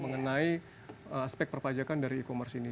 mengenai aspek perpajakan dari e commerce ini